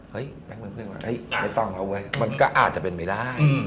เฮ้ยแป๊งเป็นเพื่อนกันไม่ต้องเขาเว้ยมันก็อาจจะเป็นไม่ได้